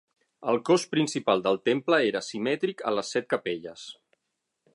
El cos principal del temple era simètric a les set capelles.